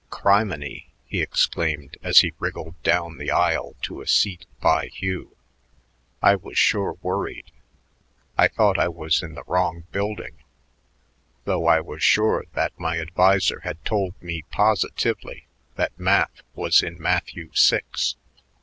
"Criminy!" he exclaimed as he wriggled down the aisle to a seat by Hugh, "I was sure worried. I thought I was in the wrong building, though I was sure that my adviser had told me positively that Math was in Matthew Six."